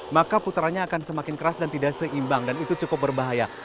maka putarannya akan semakin keras dan tidak seimbang dan itu cukup berbahaya